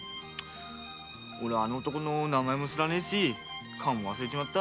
あの男の名前も知らねぇし顔も忘れちまった。